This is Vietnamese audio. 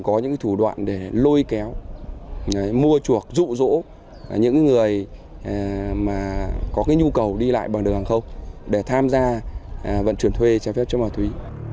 thường có những thủ đoạn để lôi kéo mua chuộc rụ rỗ những người có nhu cầu đi lại bằng đường không để tham gia vận chuyển thuê trái phép chân ma túy